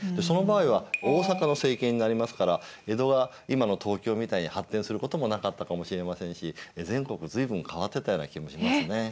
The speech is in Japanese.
その場合は大坂の政権になりますから江戸は今の東京みたいに発展することもなかったかもしれませんし全国随分変わってたような気もしますね。